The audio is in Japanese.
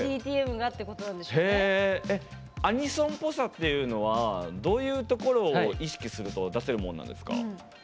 アニソンぽさっていうのはどういうところを意識すると出せるもなんですか？